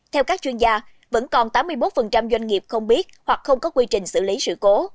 theo các chuyên gia vẫn còn tám mươi một doanh nghiệp không biết hoặc không có quy trình xử lý sự cố